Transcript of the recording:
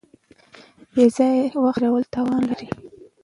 بې ځایه وخت تېرول تاوان لري.